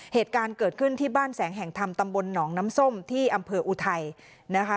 เหตุการณ์เกิดขึ้นที่บ้านแสงแห่งธรรมตำบลหนองน้ำส้มที่อำเภออุทัยนะคะ